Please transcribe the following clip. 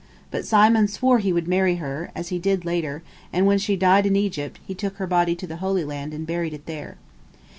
But Simon swore he would marry her, as he did later, and when she died in Egypt, he took her body to the Holy Land and buried it there.